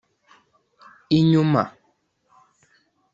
“inyuma”